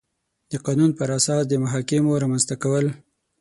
د قانون پر اساس د محاکمو رامنځ ته کول